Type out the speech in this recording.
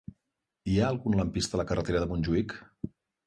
Hi ha algun lampista a la carretera de Montjuïc?